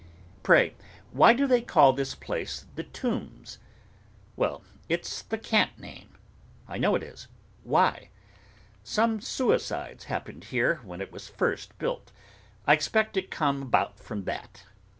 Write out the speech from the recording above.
'Pray, why do they call this place The Tombs?' 'Well, it's the cant name.' 'I know it is. Why?' 'Some suicides happened here, when it was first built. I expect it come about from that.